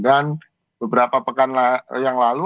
dan beberapa pekan yang lalu